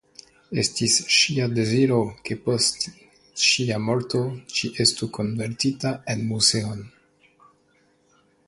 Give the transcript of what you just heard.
Estis ŝia deziro ke post ŝia morto ĝi estu konvertita en muzeon.